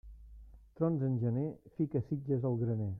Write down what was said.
Trons en gener, fica sitges al graner.